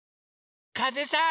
かぜさん！